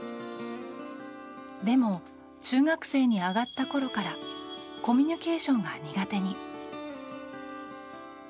でも、中学生に上がったころからコミュニケーションが苦手に。